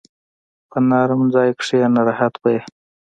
په نرمه ځای کښېنه، راحت به وي.